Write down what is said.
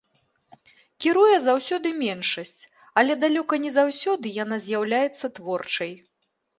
Кіруе заўсёды меншасць, але далёка не заўсёды яна з'яўляецца творчай.